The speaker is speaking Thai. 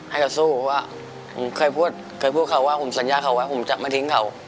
ให้เขาสู้เคยพูดเขาว่าผมสัญญาเขาว่าผมจะไม่ทิ้งเขา